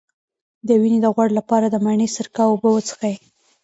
د وینې د غوړ لپاره د مڼې سرکه او اوبه وڅښئ